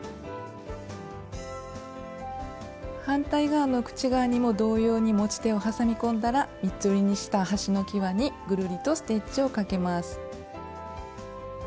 反対側の口側にも同様に持ち手をはさみ込んだら三つ折りにした端のきわにぐるりとステッチをかけます。